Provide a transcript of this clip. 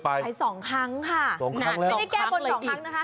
ไปขอสองครั้งเลย